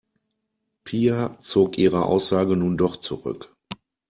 Pia zog ihre Aussage nun doch zurück.